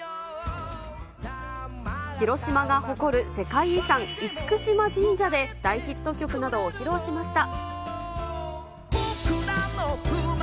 広島が誇る世界遺産、厳島神社で大ヒット曲などを披露しました。